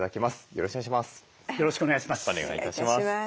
よろしくお願いします。